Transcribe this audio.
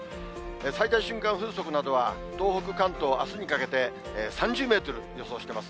最大瞬間風速などは、東北、関東、あすにかけて３０メートル予想しています。